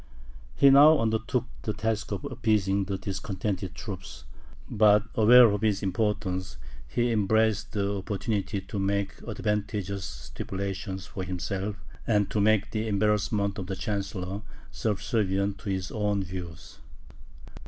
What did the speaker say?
He now undertook the task of appeasing the discontented troops; but, aware of his importance, he embraced the opportunity to make advantageous stipulations for himself, and to make the embarrassment of the chancellor subservient to his own views.